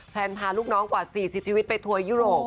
พาลูกน้องกว่า๔๐ชีวิตไปทัวร์ยุโรป